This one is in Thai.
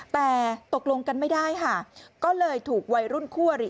แต่ตกลงกันไม่ได้ค่ะก็เลยถูกวัยรุ่นคู่อริ